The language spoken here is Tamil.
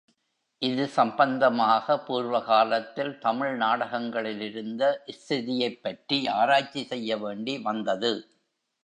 இது சம்பந்தமாகப் பூர்வகாலத்தில் தமிழ் நாடகங்களிலிருந்த ஸ்திதியைப் பற்றி ஆராய்ச்சி செய்ய வேண்டி வந்தது.